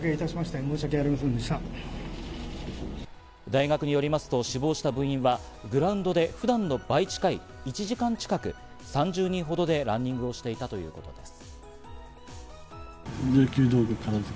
大学によりますと、死亡した部員はグラウンドで、普段の倍近い１時間近く３０人ほどでランニングをしていたということです。